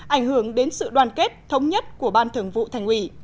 ảnh hưởng đến sự đoàn kết thống nhất của ban thường vụ thành ủy